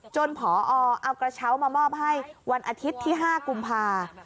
ผอเอากระเช้ามามอบให้วันอาทิตย์ที่๕กุมภา